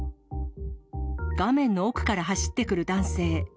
画面の奥から走ってくる男性。